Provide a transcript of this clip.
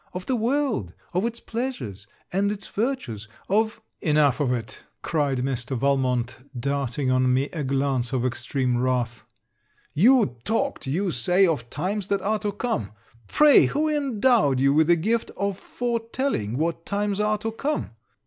Of the world, of its pleasures, and its virtues. Of ' 'Enough of it.' cried Mr. Valmont, darting on me a glance of extreme wrath; 'You talked, you say, of times that are to come. Pray, who endowed you with the gift of foretelling what times are to come?'